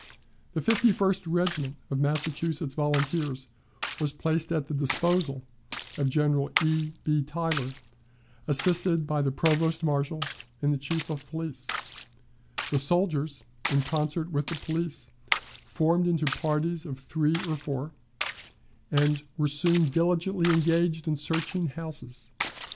The Fifty first Regiment of Massachusetts Volunteers was placed at the disposal of General E. B. Tyler, assisted by the provost marshal and the chief of police. The soldiers, in concert with the police, formed into parties of three or four, and were soon diligently engaged in searching houses.